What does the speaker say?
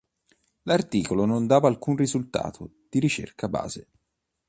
L'articolo non dava alcun risultato di ricerca base.